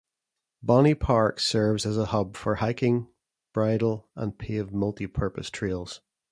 Bonnie Park serves as a hub for hiking, bridle, and paved multi-purpose trails.